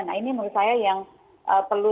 nah ini menurut saya yang perlu